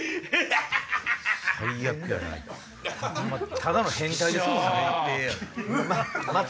ただの変態ですよね。